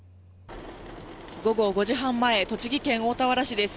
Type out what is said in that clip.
午後５時半前、栃木県大田原市です。